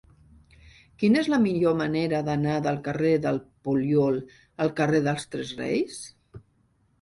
Quina és la millor manera d'anar del carrer del Poliol al carrer dels Tres Reis?